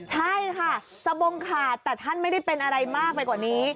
ใช่ค่ะสบงขาดแต่ท่านไม่ได้เป็นอะไรมากไปกว่านี้